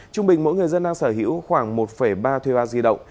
trung bình mỗi người dân đang sở hữu khoảng một ba thuê bao di động